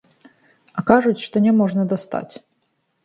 А кажуць, што няможна дастаць.